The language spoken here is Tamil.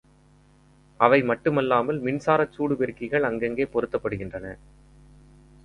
அவை மட்டுமல்லாமல் மின்சாரச் சூடுபெருக்கிகள் அங்கங்கே பொருத்தப்படுகின்றன.